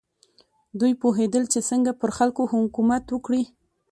دوی پوهېدل چې څنګه پر خلکو حکومت وکړي.